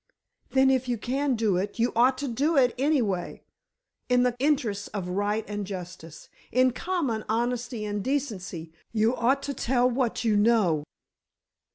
"Then, if you can do that, you ought to do it, anyway! In the interests of right and justice, in common honesty and decency, you ought to tell what you know!"